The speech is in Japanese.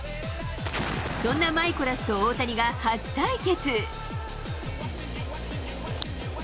そんなマイコラスと大谷が初対決。